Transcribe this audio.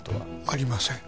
ありません